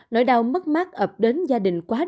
nỗi đau mất mắt ập đến gia đình quá đúng